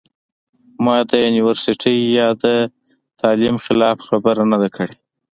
ما د يونيورسټۍ يا د تعليم خلاف خبره نۀ ده کړې